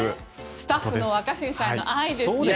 スタッフの若新さんへの愛ですよね。